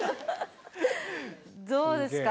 どうですか？